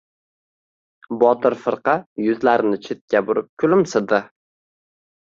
Botir firqa yuzlarini chetga burib kulimsidi.